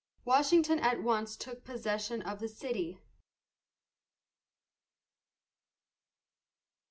Washington at once took possession of the city.